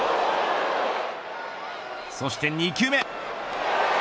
そして２球目。